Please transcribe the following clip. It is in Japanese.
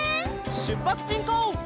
しゅっぱつしんこう！